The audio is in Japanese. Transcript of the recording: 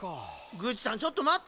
グッチさんちょっとまってよ。